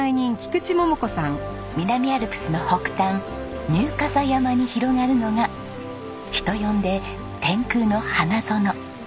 南アルプスの北端入笠山に広がるのが人呼んで「天空の花園」。